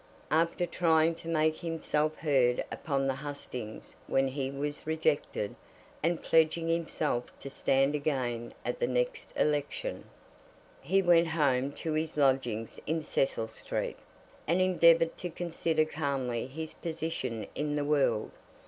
After trying to make himself heard upon the hustings when he was rejected, and pledging himself to stand again at the next election, he went home to his lodgings in Cecil Street, and endeavoured to consider calmly his position in the world.